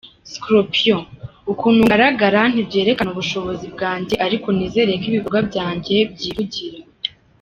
Scorpio : Ukuntu ngaragara ntibyerekana ubushobozi bwanjye ariko nizere ko ibikorwa byanjye byivugira.